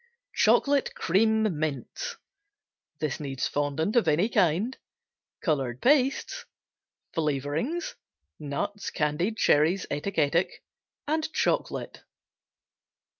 Chocolate Cream Mints Fondant of any kind. Color pastes. Flavorings. Nuts, candied cherries, etc., etc. Chocolate.